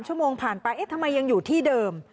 ชั่วโมงผ่านไปเอ๊ะทำไมยังอยู่ที่เดิม